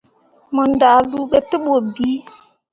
Mo ndahluu be te bu bii.